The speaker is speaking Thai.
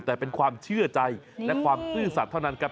แต่เป็นความเชื่อใจและความซื่อสัตว์เท่านั้นครับ